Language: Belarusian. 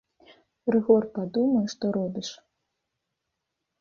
Рыгор, падумай, што робіш!